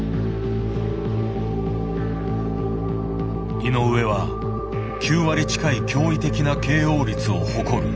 井上は９割近い驚異的なＫＯ率を誇る。